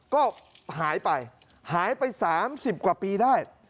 ก็หายไปหายไป๓๐กว่าปีได้